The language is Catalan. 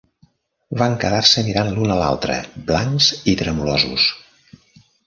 Van quedar-se mirant l'un a l'altre, blancs i tremolosos.